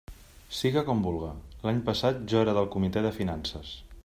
Siga com vulga, l'any passat jo era del Comitè de Finances.